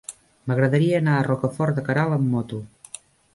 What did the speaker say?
M'agradaria anar a Rocafort de Queralt amb moto.